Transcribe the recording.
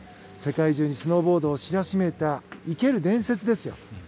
世界中にスノーボードを知らしめた生ける伝説ですよ。